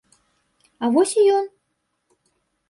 А вось і ён!